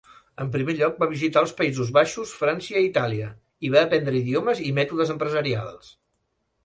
En primer lloc va visitar els Països Baixos, França i Itàlia, i va aprendre idiomes i mètodes empresarials.